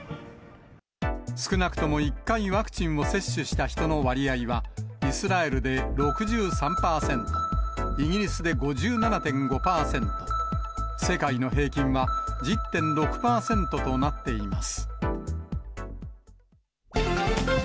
少なくとも１回ワクチンを接種した人の割合は、イスラエルで６３％、イギリスで５７．５％、世界の平均は１０．６％となっています。